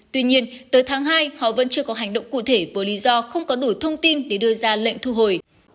tuy nhiên tới tháng hai họ vẫn chưa có hành động cụ thể với lý do không có đủ thông tin để đưa ra lệnh thu hồi